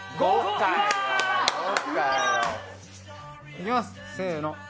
いきますせの。